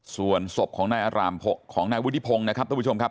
ส่วนศพของนายวุฒิพงศ์นะครับโทษพูดชมครับ